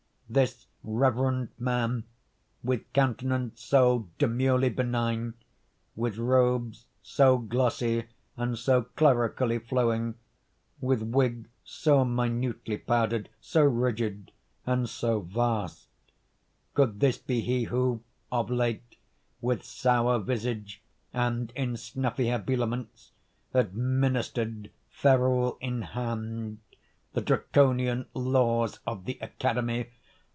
This reverend man, with countenance so demurely benign, with robes so glossy and so clerically flowing, with wig so minutely powdered, so rigid and so vast,— could this be he who, of late, with sour visage, and in snuffy habiliments, administered, ferule in hand, the Draconian laws of the academy?